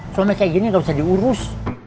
suami kayak gini gak usah diurus